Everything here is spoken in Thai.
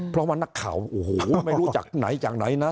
เพราะว่านักข่าวโอ้โหไม่รู้จักไหนจากไหนนะ